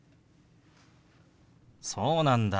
そうなんだ。